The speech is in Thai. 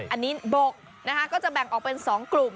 อันนี้บกนะคะก็จะแบ่งออกเป็น๒กลุ่ม